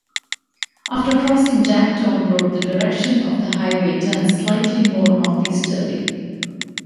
After crossing Jack Tone Road, the direction of the highway turns slightly more northeasterly.